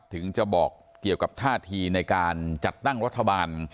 ถึงจะบอกเกี่ยวกับท่าทีในการจัดตั้งรัฐบาล